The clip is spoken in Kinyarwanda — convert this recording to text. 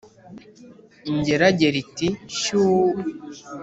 ingeragere iti: “shyuuuu!!